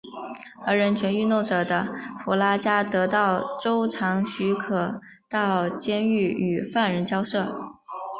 而人权运动者的弗拉加得到州长许可到监狱与犯人交涉。